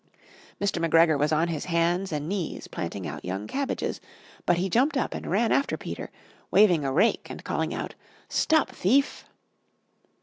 Mr. McGregor was on his hands and knees planting out young cabbages, but he jumped up and ran after Peter, waving a rake and calling out "Stop thief!"